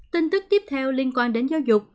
tin tức tiếp theo liên quan đến giáo dục